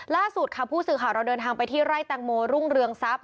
ล่าสุดค่ะผู้สื่อข่าวเราเดินทางไปที่ไร่แตงโมรุ่งเรืองทรัพย